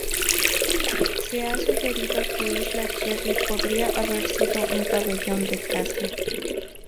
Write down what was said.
Se ha sugerido que Isla Cherry podría haber sido un pabellón de caza.